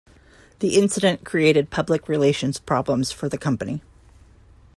The incident created public relations problems for the company.